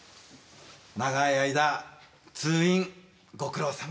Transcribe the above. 長い間通院ご苦労さまでした。